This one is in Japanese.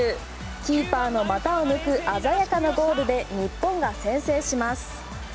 キーパーの股を抜く鮮やかなゴールで日本が先制します。